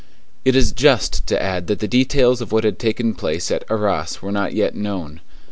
It is just to add that the details of what had taken place at Arras were not yet known.